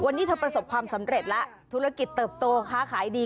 วันนี้เธอประสบความสำเร็จแล้วธุรกิจเติบโตค้าขายดี